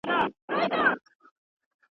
په هغه دم به مي تا ته وي راوړی!